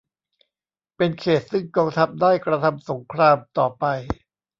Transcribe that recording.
เป็นเขตต์ซึ่งกองทัพได้กระทำสงครามต่อไป